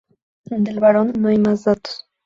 Del varón no hay más datos.